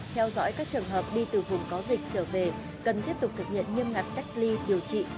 theo dõi các trường hợp đi từ vùng có dịch trở về cần tiếp tục thực hiện nghiêm ngặt cách ly điều trị